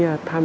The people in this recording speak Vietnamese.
các bệnh viện